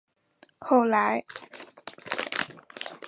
后来他还曾拒绝日本人加入满洲国政府的邀请。